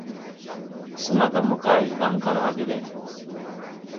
Ig smaga mokay, Ɗaŋ kal age le.